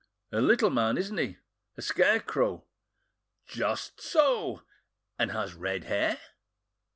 A little man, isn't he?—a scarecrow?" "Just SO." "And has red hair?"